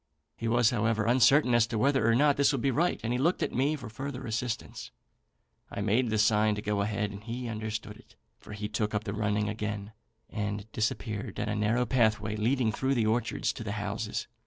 He was, however, uncertain as to whether or not this would be right, and he looked back to me for further assurance. I made the sign to go ahead, and he understood it, for he took up the running again, and disappeared down a narrow pathway leading through the orchards to the houses.